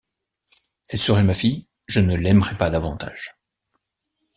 Elle serait ma fille, je ne l’aimerais pas davantage.